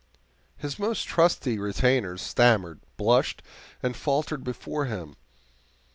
His most trusty retainers stammered, blushed, and faltered before him.